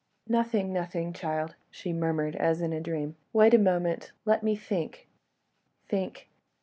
"Nothing, nothing, child," she murmured, as in a dream. "Wait a moment ... let me think ... think!